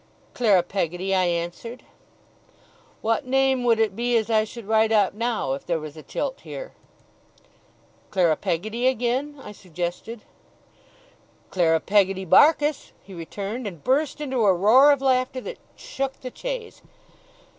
'Clara Peggotty,' I answered. 'What name would it be as I should write up now, if there was a tilt here?' 'Clara Peggotty, again?' I suggested. 'Clara Peggotty BARKIS!' he returned, and burst into a roar of laughter that shook the chaise.